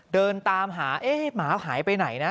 เดินตามหาเอ๊ะหมาหายไปไหนนะ